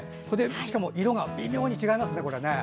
しかも色が微妙に違いますね。